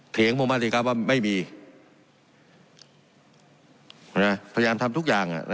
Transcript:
เถียงมามาดีครับว่าไม่มีนะพยายามทำทุกอย่างน่ะนะ